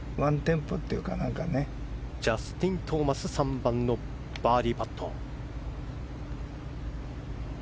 ジャスティン・トーマス３番のバーディーパット。